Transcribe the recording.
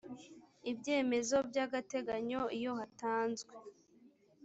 ibyemezo by agateganyo iyo hatanzwe